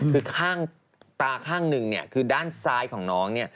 คือตาข้างหนึ่งคือด้านซ้ายของน้อง